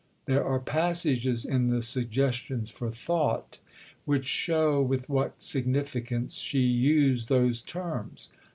There are passages in the Suggestions for Thought which show with what significance she used those terms.